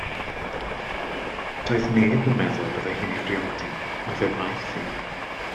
Doedd neb yn meddwl y byddai hi'n ei briodi, ond fe wnaeth hi.